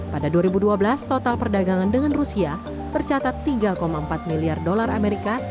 pada dua ribu dua belas total perdagangan dengan rusia tercatat tiga empat miliar dolar amerika